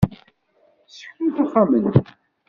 Ssekrut axxam-nni.